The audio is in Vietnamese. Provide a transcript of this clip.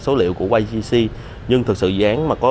khi mà bạn xây dựng một sản phẩm